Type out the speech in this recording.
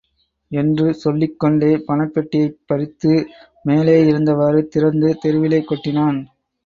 என்று சொல்லிக் கொண்டே பணப் பெட்டியைப் பறித்து மேலேயிருந்தவாறு திறந்து தெருவிலே கொட்டினான்.